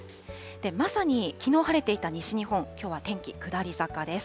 まさにきのう晴れていた西日本、きょうは天気下り坂です。